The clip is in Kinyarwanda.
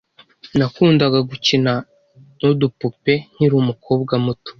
Nakundaga gukina nudupupe nkiri umukobwa muto.